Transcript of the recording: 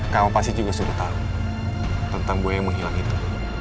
kamu pasti juga suruh tahu tentang buaya yang menghilang itu